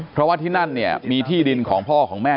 เพราะว่าที่นั่นเนี่ยมีที่ดินของพ่อของแม่